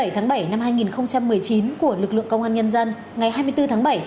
hai mươi tháng bảy năm hai nghìn một mươi chín của lực lượng công an nhân dân ngày hai mươi bốn tháng bảy